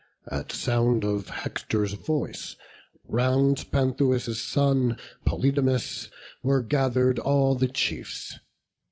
At sound of Hector's voice, round Panthous' son, Polydamas, were gather'd all the chiefs.